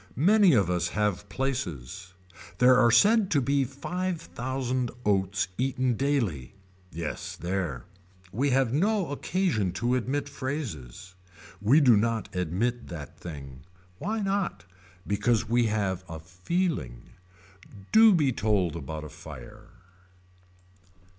Many of us have places. There are said to be five thousand oats eaten daily. Yes there. We have no occasion to admit phrases. We do not admit that thing. Why not. Because we have a feeling. Do be told about a fire.